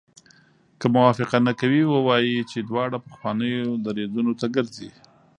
که موافقه نه کوي ووایي چې دواړه پخوانیو دریځونو ته ګرځي.